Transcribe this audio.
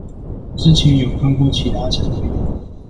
之前有看過其他產品